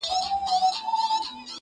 پام کوه غزل در نه بې خدايه نه سي,